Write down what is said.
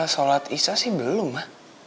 sholat isya sih belum mah